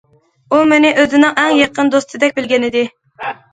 ئۇ مېنى ئۆزىنىڭ ئەڭ يېقىن دوستىدەك بىلگەنىدى.